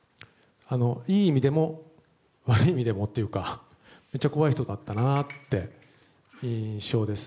いい意味でも悪い意味でもというかめっちゃ怖い人だったのかなという印象です。